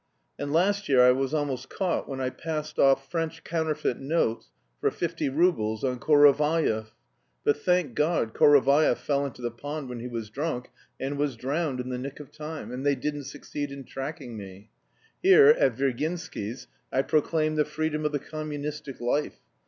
And last year I was almost caught when I passed off French counterfeit notes for fifty roubles on Korovayev, but, thank God, Korovayev fell into the pond when he was drunk, and was drowned in the nick of time, and they didn't succeed in tracking me. Here, at Virginsky's, I proclaimed the freedom of the communistic life.